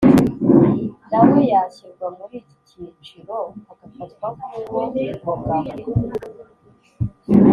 nawe yashyirwa muri iki cyiciro agafatwa nk uwo Umugabo